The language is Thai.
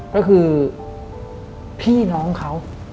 ก็คือพี่น้องเขา